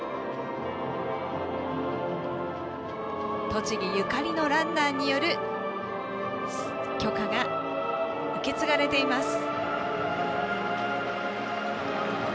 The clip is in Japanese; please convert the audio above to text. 栃木ゆかりのランナーによる炬火が受け継がれています。